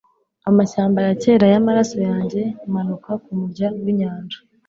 Amashyamba ya kera yamaraso yanjye, manuka kumurya winyanja